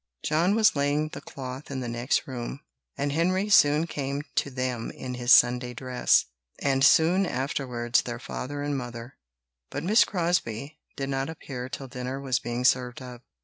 John was laying the cloth in the next room, and Henry soon came to them in his Sunday dress, and soon afterwards their father and mother; but Miss Crosbie did not appear till dinner was being served up.